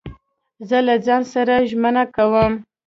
زه له ځان سره ژمنه کوم.